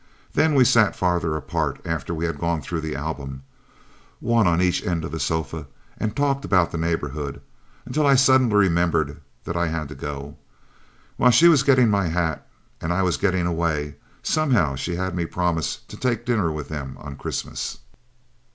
Then we sat farther apart after we had gone through the album, one on each end of the sofa, and talked about the neighborhood, until I suddenly remembered that I had to go. While she was getting my hat and I was getting away, somehow she had me promise to take dinner with them on Christmas.